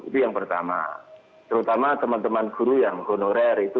kira kira apa yang diharapkan dari pemerintah